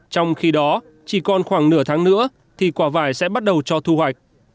trong khi đó chỉ còn khoảng nửa tháng nữa thì quả vải sẽ bắt đầu cho thu hoạch